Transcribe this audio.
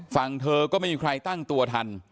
เธอก็ไม่มีใครตั้งตัวทัน